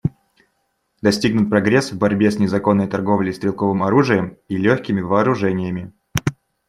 Достигнут прогресс в борьбе с незаконной торговлей стрелковым оружием и легкими вооружениями.